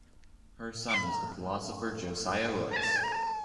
Her son was the philosopher Josiah Royce.